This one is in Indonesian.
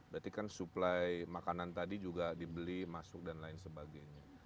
berarti kan suplai makanan tadi juga dibeli masuk dan lain sebagainya